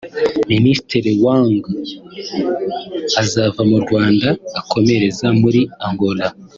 Minisitiri Wang azava mu Rwanda akomereza muri Angola